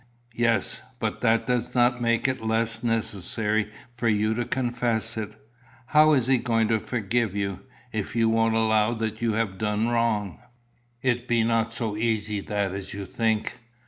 "Yes. But that does not make it less necessary for you to confess it. How is he to forgive you, if you won't allow that you have done wrong?" "It be not so easy that as you think.